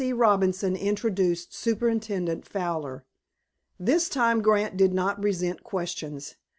Robinson introduced Superintendent Fowler. This time Grant did not resent questions.